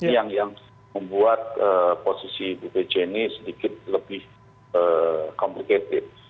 yang membuat posisi ibu pc ini sedikit lebih komplikated